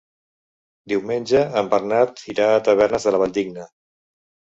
Diumenge en Bernat irà a Tavernes de la Valldigna.